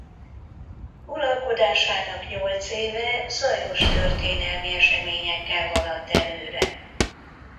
Uralkodásának nyolc éve zajos történelmi eseményekkel haladt előre.